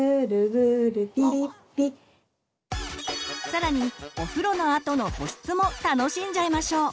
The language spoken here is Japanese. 更にお風呂のあとの保湿も楽しんじゃいましょう！